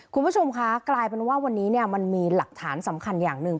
คุณผู้ชมคะกลายเป็นว่าวันนี้เนี่ยมันมีหลักฐานสำคัญอย่างหนึ่ง